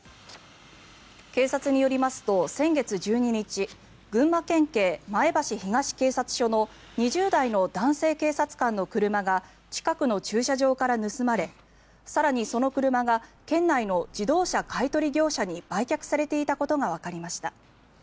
警察によりますと、先月１２日群馬県警前橋東警察署の２０代の男性警察官の車が近くの駐車場から盗まれ更にその車が県内の自動車買い取り業者に売却されていたことがわかりました。